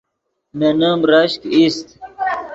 نے نیم رشک ایست